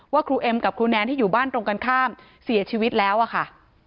ครูเอ็มกับครูแนนที่อยู่บ้านตรงกันข้ามเสียชีวิตแล้วอะค่ะ